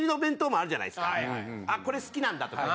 あこれ好きなんだとか。